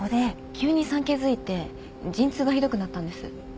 急に産気づいて陣痛がひどくなったんです。